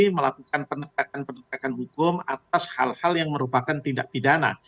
melakukan penegakan penegakan hukum atas hal hal yang merupakan tindak pidana